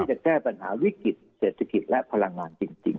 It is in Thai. จะแก้ปัญหาวิกฤติเศรษฐกิจและพลังงานจริง